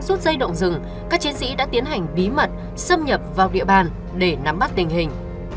tuy nhiên các chiến sĩ đã tiến hành bí mật xâm nhập vào địa bàn để nắm bắt tình hình